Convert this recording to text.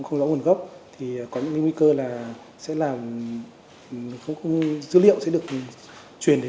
không rõ nguồn gốc có những nguy cơ là dữ liệu sẽ được truyền đến